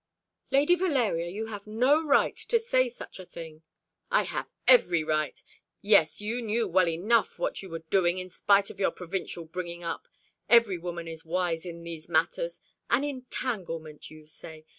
"Lady Valeria, you have no right to say such a thing." "I have every right. Yes, you knew well enough what you were doing, in spite of your provincial bringing up. Every woman is wise in these matters. An entanglement, you say.